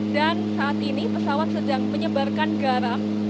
dan saat ini pesawat sedang menyebarkan garam